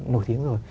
nổi tiếng rồi